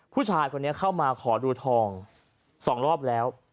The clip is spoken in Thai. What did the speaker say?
ผู้ชายคนนี้เข้ามาขอดูทอง๒รอบแล้ว